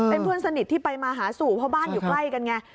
เป็นเพื่อนสนิทที่ไปมาหาสู่เพราะบ้านอยู่ใกล้กันไง